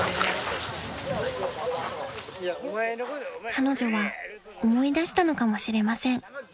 ［彼女は思い出したのかもしれません］